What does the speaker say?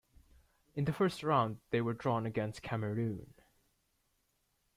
In the First Round they were drawn against Cameroon.